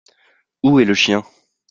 Où est le chien ?